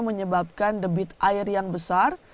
menyebabkan debit air yang besar